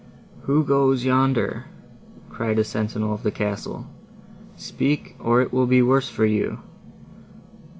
"Who goes yonder?" cried a sentinel of the castle. "Speak or it will be worse for you."